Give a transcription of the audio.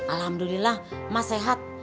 alhamdulillah mas sehat